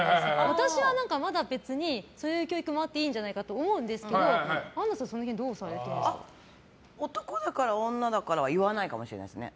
私はまだ別に、そういう教育もあっていいんじゃないかと思うんですけどアンナさん、その辺男だから、女だからは言わないかもしれないですね。